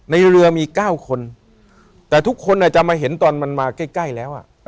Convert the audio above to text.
ในเรือมี๙คนแต่ทุกคนอาจจะมาเห็นตอนมันมาใกล้ใกล้แล้วอ่ะ